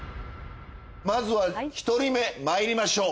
まずは１人目まいりましょう。